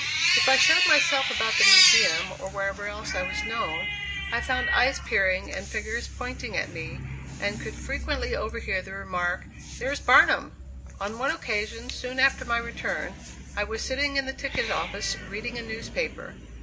If I showed myself about the Museum or wherever else I was known, I found eyes peering and fingers pointing at me, and could frequently overhear the remark, "There's Barnum." On one occasion soon after my return, I was sitting in the ticket office reading a newspaper.